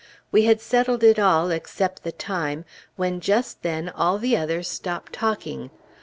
We had settled it all, except the time, when just then all the others stopped talking.